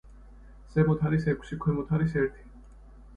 ზემოთ არის ექვსი, ქვემოთ არის ერთი.